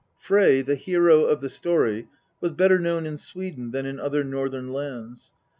Frey, the hero of the story, was better known in Sweden than in other northern lands.